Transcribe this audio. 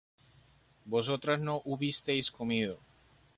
vosotras no hubisteis comido